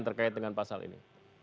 terkait dengan pasal ini